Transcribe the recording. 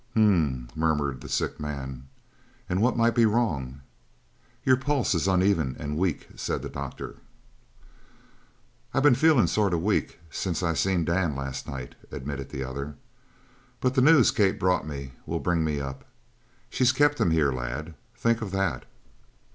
"H m m!" murmured the sick man. "And what might be wrong?" "Your pulse is uneven and weak," said the doctor. "I been feelin' sort of weak since I seen Dan last night," admitted the other. "But that news Kate brought me will bring me up! She's kept him here, lad, think of that!"